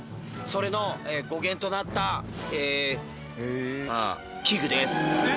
それの語源となったええまあ器具です